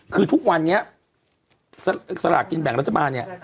คือทุกวันนี้สลากกินแบ่งรัฐบาลเนี่ย